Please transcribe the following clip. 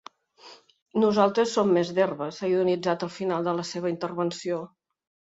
Nosaltres som més d’herbes, ha ironitzat al final de la seva intervenció.